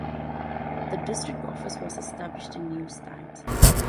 The district office was established in Neustadt.